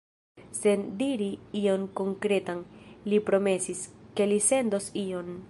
Sen diri ion konkretan, li promesis, ke li sendos ion.